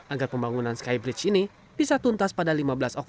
agar pemerintah bisa memiliki kemampuan untuk membangunan tanah abang